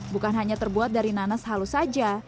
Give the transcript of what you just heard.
bukan hanya terbuat dari nanas halus saja